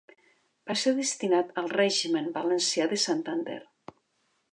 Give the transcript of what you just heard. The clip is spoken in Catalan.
Va ser destinat al Regiment València de Santander.